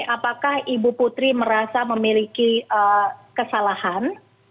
apakah ibu putri merasa memiliki kesalahan